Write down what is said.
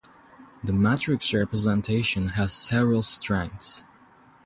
The matrix representation has several strengths.